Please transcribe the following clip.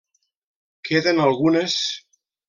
Queden algunes.